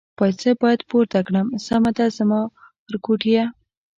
پایڅه باید پورته کړم، سمه ده زما ورکوټیه.